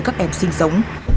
các em sinh sống